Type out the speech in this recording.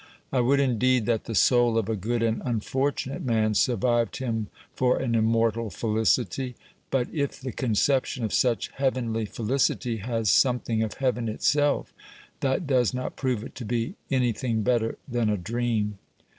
I would indeed that the soul of a good and unfortunate man survived him for an immortal felicity. But if the conception of such heavenly felicity has some thing of heaven itself, that does not prove it to be anything better than a dream.